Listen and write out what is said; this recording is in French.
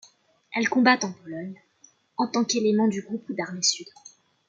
Elle combat en Pologne en tant qu'élément du Groupe d'armées Sud.